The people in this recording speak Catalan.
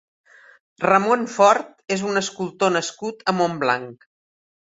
Ramon Fort és un escultor nascut a Montblanc.